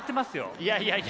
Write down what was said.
いやいやいや。